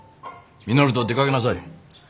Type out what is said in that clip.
稔と出かけなさい。